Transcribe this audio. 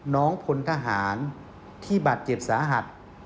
น้องพลทหารที่บาดเจ็บสาหัส